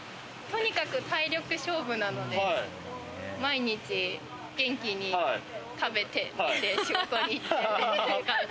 とにかく体力勝負なので、毎日元気に、食べて寝て、仕事に行って。